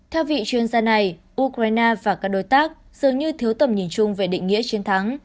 theo vị chuyên gia này ukraine và các đối tác dường như thiếu tầm nhìn chung về định nghĩa chiến thắng